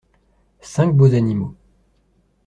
Cinq beaux animaux.